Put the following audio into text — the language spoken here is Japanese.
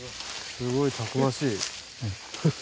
すごいたくましい。